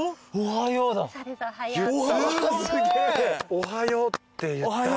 「おはよ」って言った。